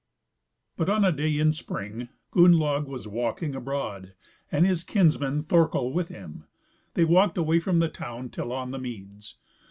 But on a day in spring Gunnlaug was walking abroad, and his kinsman Thorkel with him; they walked away from the town, till on the meads.